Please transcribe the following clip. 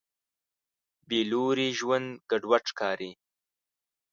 بېلوري ژوند ګډوډ ښکاري.